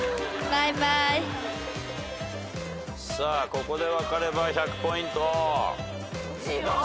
ここで分かれば１００ポイント。